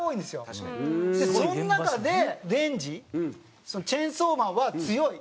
その中でデンジチェンソーマンは強い。